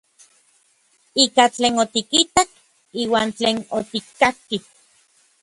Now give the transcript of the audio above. Ika tlen otikitak iuan tlen otikkakki.